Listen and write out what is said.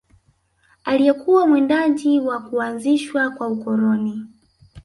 Aliyekuwa mwindaji wakati wa kuanzishwa kwa ukoloni